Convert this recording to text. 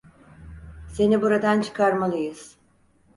Seni buradan çıkarmalıyız.